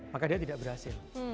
maka dia tidak berhasil